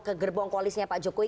ke gerbong koalisnya pak jokowi